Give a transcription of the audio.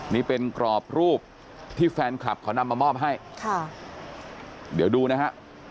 นี่เป็นกรอบรูปที่แฟนคลับเขานำมามอบให้ค่ะเดี๋ยวดูนะฮะ